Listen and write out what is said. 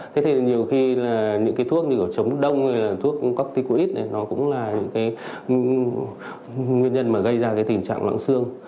thế thì nhiều khi những cái thuốc như chống đông hay thuốc corticoid nó cũng là nguyên nhân gây ra tình trạng loãng xương